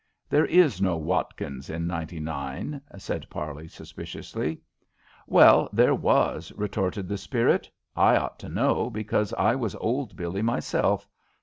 "There is no Watkins in ninety nine," said Parley, suspiciously. "Well, there was," retorted the spirit. "I ought to know, because I was old Billie myself.